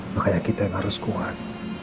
makanya kita yang harus kuat